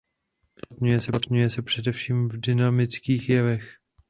Uplatňuje se především v dynamických jevech.